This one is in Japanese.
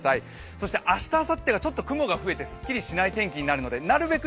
そして明日、あさってがちょっと雲が増えてすっきりしない天気になるのでなるべく